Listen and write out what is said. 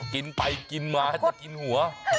กินไปกินมาจะกินหัว